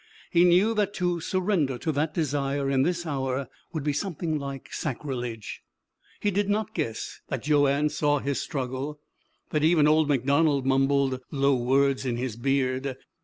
He knew that to surrender to that desire in this hour would be something like sacrilege. He did not guess that Joanne saw his struggle, that even old MacDonald mumbled low words in his beard.